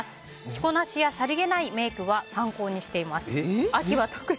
着こなしや、さりげないメイクは参考にしています。